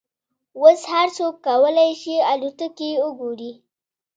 اوس هر څوک کولای شي الوتکې وګوري.